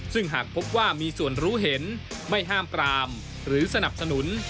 ซึ่งหากพบว่ามีส่วนรู้เห็นไม่ห้ามปรามหรือสนับสนุน